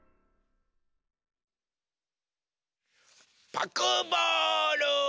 パクボール！